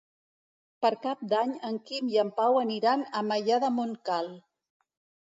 Per Cap d'Any en Quim i en Pau aniran a Maià de Montcal.